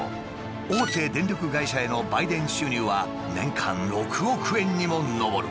大手電力会社への売電収入は年間６億円にも上る。